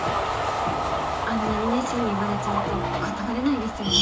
あんなに熱心に言われちゃうと断れないですよね。